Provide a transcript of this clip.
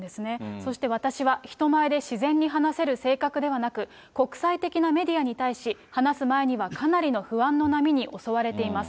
そして私は人前で自然に話せる性格ではなく、国際的なメディアに対し、話す前にはかなりの不安の波に襲われています。